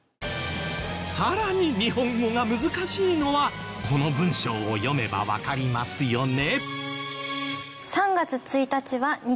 更に日本語が難しいのはこの文章を読めばわかりますよね。